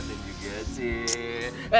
sip sate juga sip